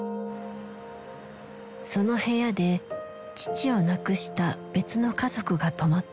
その部屋で父を亡くした別の家族が泊まった。